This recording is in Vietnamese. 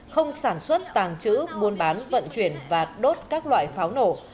không sản xuất tàng trữ buôn bán vận chuyển và đốt các loại pháo nổ